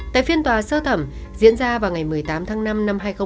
tại phiên tòa sơ thẩm diễn ra vào ngày một mươi tám tháng năm năm hai nghìn hai mươi ba